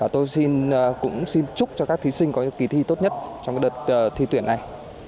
tôi xin cũng xin chúc cho các thí sinh có kỳ thi tốt nhất trong đợt thi tuyển này